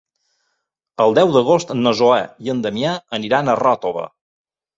El deu d'agost na Zoè i en Damià iran a Ròtova.